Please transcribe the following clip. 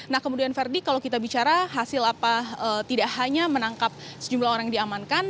nah kemudian verdi kalau kita bicara hasil apa tidak hanya menangkap sejumlah orang yang diamankan